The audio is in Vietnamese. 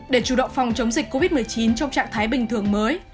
để chủ động phòng chống dịch covid một mươi chín trong trạng thái bình thường mới